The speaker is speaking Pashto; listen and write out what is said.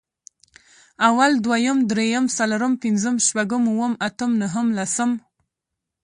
اول، دويم، درېيم، څلورم، پنځم، شپږم، اووم، اتم، نهم، لسم